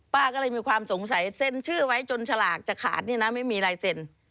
ป้าก็เลยมีความสงสัยเซ็นชื่อไว้จนฉลากจะขาดนี่นะไม่มีลายเซ็น